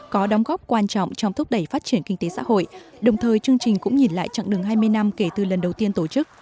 có đóng góp quan trọng trong thúc đẩy phát triển kinh tế xã hội đồng thời chương trình cũng nhìn lại chặng đường hai mươi năm kể từ lần đầu tiên tổ chức